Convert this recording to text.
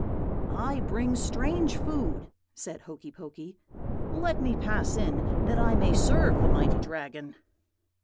"'I bring strange food,' said Hokey Pokey. 'Let me pass in, that I may serve the mighty Dragon.'